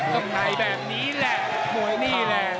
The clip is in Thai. ก็ไหนแบบนี้แหละนี่แหละ